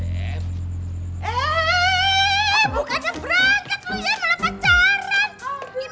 ehh bukannya berangkat lu ya malah pacaran